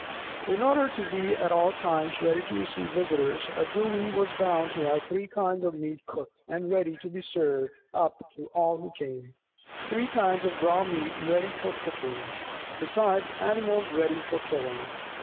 In order to be at all times ready to receive visitors, a brewy was bound to have three kinds of meat cooked and ready to be served up to all who came; three kinds of raw meat ready for cooking; besides animals ready for killing.